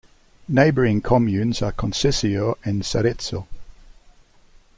Neighbouring communes are Concesio and Sarezzo.